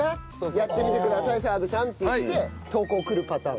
やってみてください澤部さんっていって投稿来るパターン。